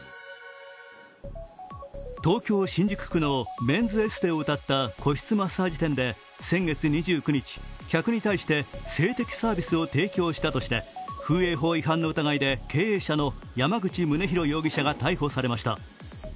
東京・新宿区のメンズエステをうたった個室マッサージ店で、先月２９日、客に対して性的サービスを提供したとして風営法違反の疑いで経営者の山口宗紘容疑者が逮捕されました。